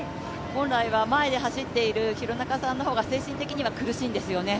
本来、前で走っている廣中さんの方が精神的に厳しいです。